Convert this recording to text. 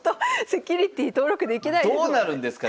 セキュリティー登録できないですよね。